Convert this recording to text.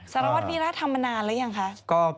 สารวัตรมีรัฐทำมานานแล้วยังคะ